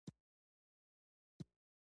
د ولسواکۍ د ودي لپاره ځوانان مهم رول لري.